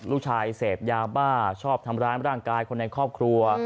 เสพยาบ้าชอบทำร้ายร่างกายคนในครอบครัว